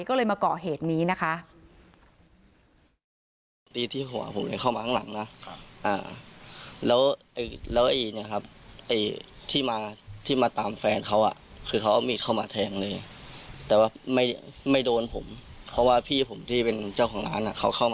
ก็เลยมาเกาะเหตุนี้นะคะ